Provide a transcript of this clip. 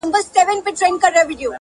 او اغیزې یې هم جوتې دي